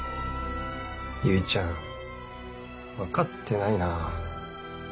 唯ちゃん分かってないなぁ。